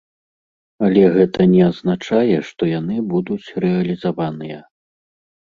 Але гэта не азначае, што яны будуць рэалізаваныя.